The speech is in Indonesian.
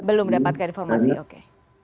belum dapatkan informasi oke